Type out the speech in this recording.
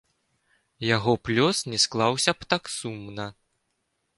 Яго б лёс не склаўся б так сумна.